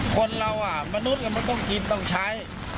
คนเรามนุษย์มันต้องกินต้องใช้